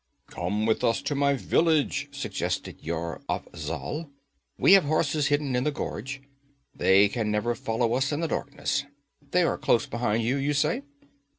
'Come with us to my village,' suggested Yar Afzal. 'We have horses hidden in the gorge. They can never follow us in the darkness. They are close behind you, you say?'